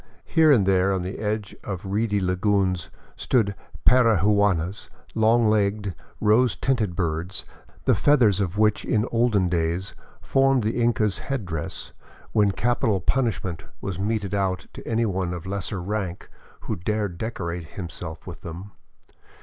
Here and there in the edge of reedy lagoons stood parihuanas, — long legged, rose tinted birds the feathers of which in olden days formed the Inca's head dress, when capital pun ishment was meted out to anyone of lesser rank who dared decorate himself with them.